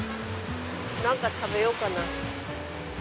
何か食べようかな。